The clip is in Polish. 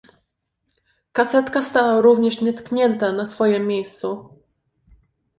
"Kasetka stała również nietknięta na swojem miejscu."